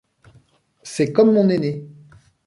C’est comme mon aînée.